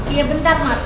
iya bentar mas